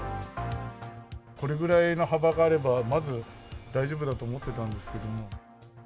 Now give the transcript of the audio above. これぐらいの幅があれば、まず大丈夫だと思ってたんですけども。